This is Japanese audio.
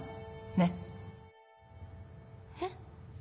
ねっ。えっ？